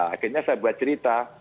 akhirnya saya buat cerita